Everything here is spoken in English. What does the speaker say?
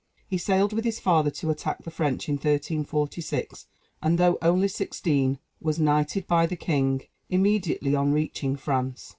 He sailed with his father to attack the French in 1346, and though only sixteen was knighted by the king immediately on reaching France.